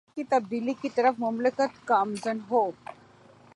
حقیقی تبدیلی کی طرف مملکت گامزن ہو